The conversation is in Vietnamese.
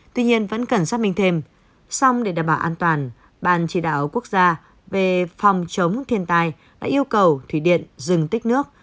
tuy nhiên vẫn cần xác minh thêm xong để đảm bảo an toàn ban chỉ đạo quốc gia về phòng chống thiên tai đã yêu cầu thủy điện dừng tích nước